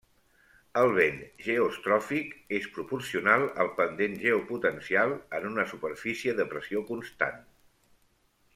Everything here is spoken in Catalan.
El vent geostròfic és proporcional al pendent geopotencial en una superfície de pressió constant.